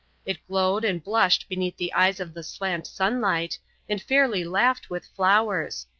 It glowed and blushed beneath the eyes of the slant sunlight, and fairly laughed with flowers.